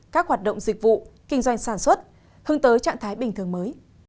các hoạt động dịch vụ kinh doanh sản xuất hướng tới trạng thái bình thường mới